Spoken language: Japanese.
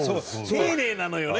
丁寧なのよね。